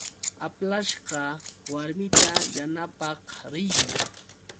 Aplashqa warmita yanapaq riy.